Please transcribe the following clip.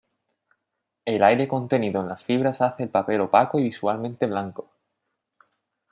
El aire contenido en las fibras hace el papel opaco y visualmente blanco.